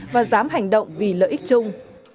và giám hành động vì lợi ích chung